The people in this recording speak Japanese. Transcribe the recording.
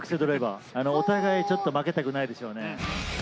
お互い負けたくないでしょうね。